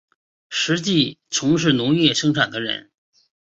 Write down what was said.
实际从事农业生产的人